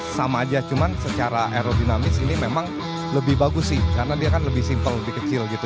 sama aja cuman secara aerodinamis ini memang lebih bagus sih karena dia kan lebih simple lebih kecil gitu